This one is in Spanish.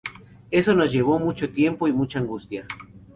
Eso nos llevó mucho tiempo y mucha angustia.